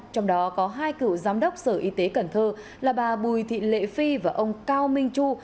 trong đó có hai cựu giám đốc sở y tế cần thơ là bà bùi thị lệ phi và ông cao minh chu